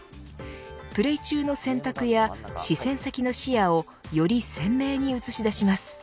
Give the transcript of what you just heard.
プレイ中の選択や視線先の視野をより鮮明に映し出します。